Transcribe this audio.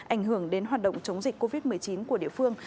ảnh hưởng đến hoạt động chống dịch covid một mươi chín của địa phương